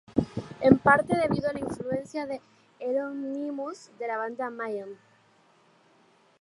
En parte debido a la influencia de Euronymous de la banda Mayhem.